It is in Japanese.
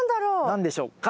何でしょうか？